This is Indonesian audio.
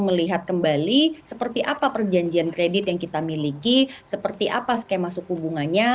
melihat kembali seperti apa perjanjian kredit yang kita miliki seperti apa skema suku bunganya